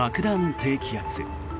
低気圧。